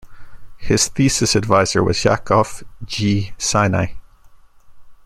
His thesis adviser was Yakov G. Sinai.